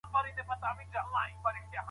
خو ملکیار د عشق او مینې لار غوره کړې وه.